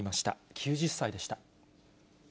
９０歳でした。